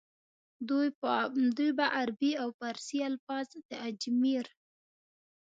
دوي به عربي او فارسي الفاظ د اجمېر